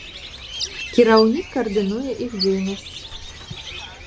Кіраўнік каардынуе іх дзейнасць.